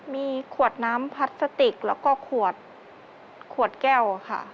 มีขวดน้ำพลาสติกแล้วก็ขวดขวดแก้วค่ะ